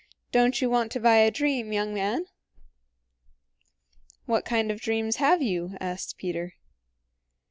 "Don't you want to buy a dream, young man?" "What kind of dreams have you?" asked Peter.